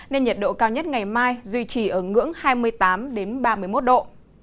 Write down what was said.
nên nhiệt độ cao nhất ngày mai duy trì ở ngưỡng hai mươi tám ba mươi một độ